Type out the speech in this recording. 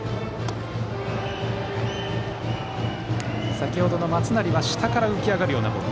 先程の松成は下から浮き上がるようなボール。